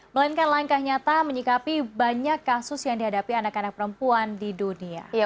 melainkan langkah nyata menyikapi banyak kasus yang dihadapi anak anak perempuan di dunia